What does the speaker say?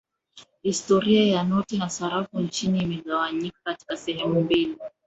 historia ya noti na sarafu nchini imegawanyika katika sehemu mbili